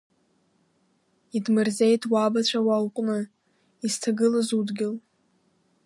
Идмырзеит уабацәа уа уҟны, изҭагылаз удгьыл.